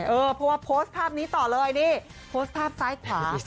เออเพราะว่าโพสต์ภาพนี้ต่อเลยนี่โพสต์ภาพซ้ายขวา